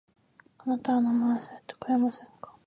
あなたの名前を教えてくれませんか